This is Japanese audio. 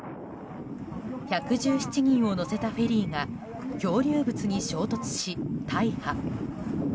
１１７人を乗せたフェリーが漂流物に衝突し、大破。